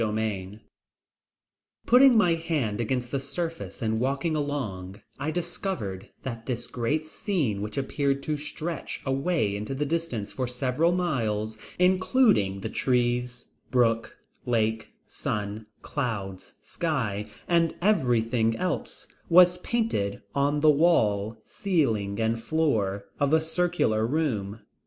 CHAPTER VI Putting my hand against the surface and walking along I discovered that this great scene which appeared to stretch away into the distance for several miles, including the trees, brook, lake, sun, clouds, sky, and everything else, was painted on the wall, ceiling and floor, of a circular room.